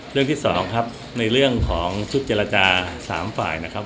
เรื่องที่๒ครับในเรื่องของชุดเจรจา๓ฝ่ายนะครับ